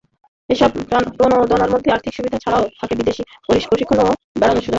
এসব প্রণোদনার মধ্যে আর্থিক সুবিধা ছাড়াও থাকে বিদেশে প্রশিক্ষণ এবং বেড়ানোর সুযোগ।